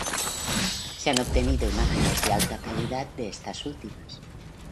Se han obtenido imágenes de alta calidad de estas últimas.